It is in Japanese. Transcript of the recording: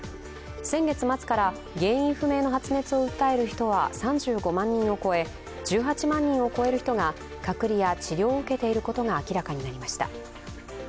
先月末から原因不明の発熱を訴える人は３５万人を超え１８万人を超える人が隔離や治療を受けていることが明らかになりました。